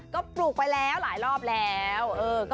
ก็ปลูกไปแล้วหลายรอบแล้ว